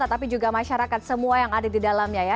tapi juga masyarakat semua yang ada di dalamnya ya